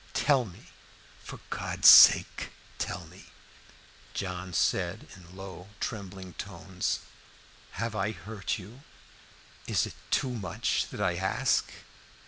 "Tell me for God's sake tell me," John said in low, trembling tones, "have I hurt you? Is it too much that I ask?"